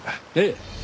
ええ。